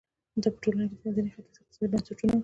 دا په ټوله کې د منځني ختیځ اقتصادي بنسټونه وو.